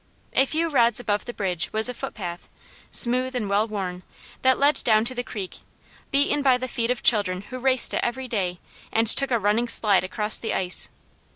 A few rods above the bridge was a footpath, smooth and well worn, that led down to the creek, beaten by the feet of children who raced it every day and took a running slide across the ice.